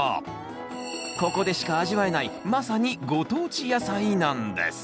ここでしか味わえないまさにご当地野菜なんです